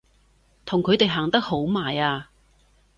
同佢哋行得好埋啊！